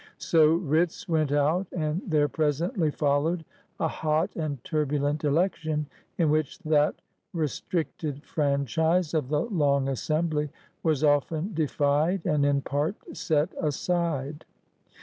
So writs went out; and there presently followed a hot and turbulent election, in which that "restricted franchise" of the Long Assembly was often defied and in part set aside.